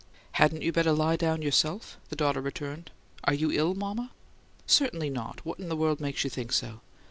"Hadn't you better lie down yourself?" the daughter returned. "Are you ill, mama?" "Certainly not. What in the world makes you think so?"